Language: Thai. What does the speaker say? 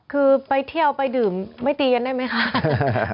คือไปเที่ยวไปดื่มไม่ตีกันได้ไหมคะ